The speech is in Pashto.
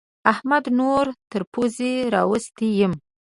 احمد نور تر پوزې راوستی يم.